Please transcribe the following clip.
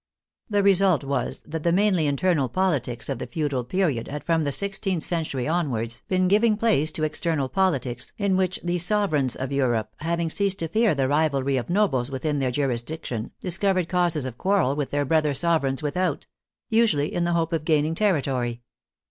The result was that the mainly internal politics of the feudal period had from the sixteenth century onwards been giving place to exter nal politics, in which the sovereigns of Europe, having ceased to fear the rivalry of nobles within their jurisdic tion, discovered causes of quarrel with their brother sovereigns without — usually in the hope of gaining ter ritory.